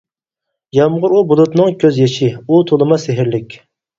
يامغۇر ئۇ بۇلۇتنىڭ كۆز يېشى، ئۇ تولىمۇ سېھىرلىك!